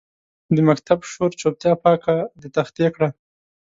د مکتب شور چوپتیا پاکه د تختې کړه